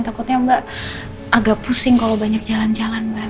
takutnya mbak agak pusing kalau banyak jalan jalan